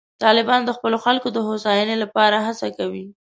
طالبان د خپلو خلکو د هوساینې لپاره هڅې کوي.